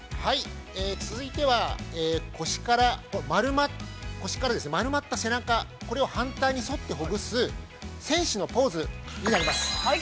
◆続いては、腰から丸まった背中、これを反対に沿ってほぐす、戦士のポーズになります。